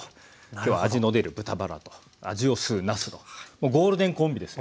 今日は味の出る豚バラと味を吸うなすのゴールデンコンビです。